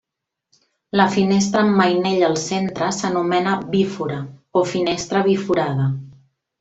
La finestra amb mainell al centre s'anomena bífora, o finestra biforada.